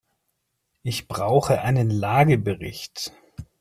Ich brauche einen Lagebericht.